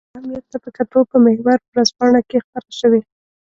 د موضوع اهمیت ته په کتو په محور ورځپاڼه کې خپره شوې.